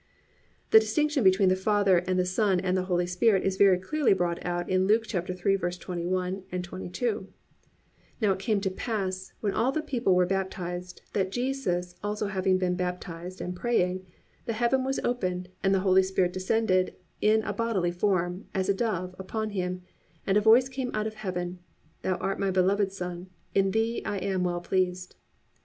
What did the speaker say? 4. The distinction between the Father and the Son and the Holy Spirit is very clearly brought out in Luke 3:21, 22: +"Now it came to pass, when all the people were baptised, that, Jesus also having been baptised, and praying, the heaven was opened, and the Holy Spirit descended in a bodily form, as a dove, upon him, and a voice came out of heaven, thou art my beloved Son; in thee I am well pleased."